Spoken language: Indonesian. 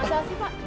masa sih pak